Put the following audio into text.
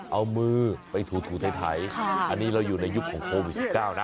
เอามือไปถูทูไทยไทยค่ะอันนี้เราอยู่ในยุคของโควิดสิบเก้านะ